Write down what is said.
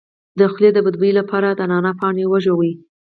د خولې د بد بوی لپاره د نعناع پاڼې وژويئ